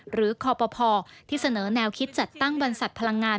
หรือคอปภที่เสนอแนวคิดจัดตั้งบรรษัทพลังงาน